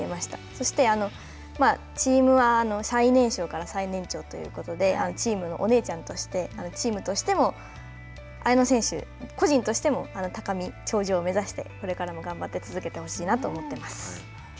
そして、チームは最年少から最年長ということでチームのお姉ちゃんとして、チームとしても綾乃選手個人としても高み頂上を目指してこれからも引っ張って続けてほしいなと思います。